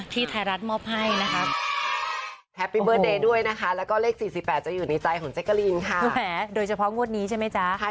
ที่ไทยรัสมอบให้นะครับ